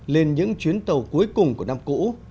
lên những chuyến tàu cuối cùng của năm cũ